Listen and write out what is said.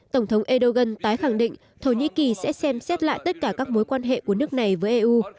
tổng thống erdogan tái khẳng định thổ nhĩ kỳ sẽ xem xét lại tất cả các mối quan hệ của nước này với eu